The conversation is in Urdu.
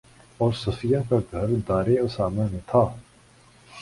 اور صفیہ کا گھر دارِ اسامہ میں تھا